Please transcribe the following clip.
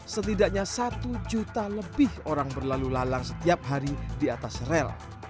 setidaknya satu juta lebih orang berlalu lalang setiap hari di atas rel